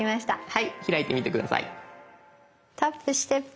はい。